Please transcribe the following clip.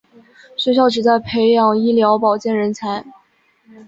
学校旨在培养医疗保健人才。